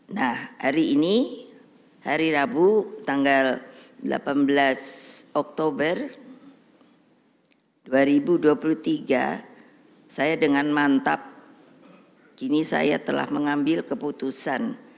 nah hari ini hari rabu tanggal delapan belas oktober dua ribu dua puluh tiga saya dengan mantap kini saya telah mengambil keputusan